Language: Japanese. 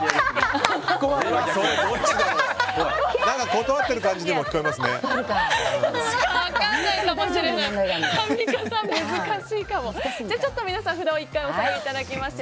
断ってる感じにも聞こえますね。